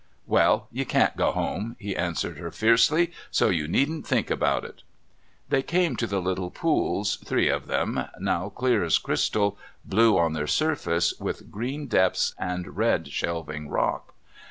"Well, you can't go home," he answered her fiercely. "So you needn't think about it." They came to the little pools, three of them, now clear as crystal, blue on their surface, with green depths and red shelving rock.